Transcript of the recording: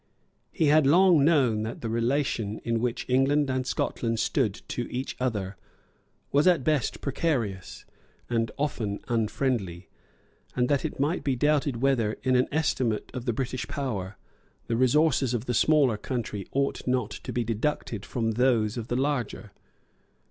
He had long known that the relation in which England and Scotland stood to each other was at best precarious, and often unfriendly, and that it might be doubted whether, in an estimate of the British power, the resources of the smaller country ought not to be deducted from those of the larger.